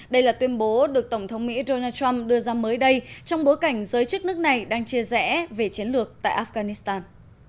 đây là tuyên bố được tổng thống mỹ donald trump đưa ra mới đây trong bối cảnh giới chức nước này đang chia rẽ về chiến lược tại afghanistan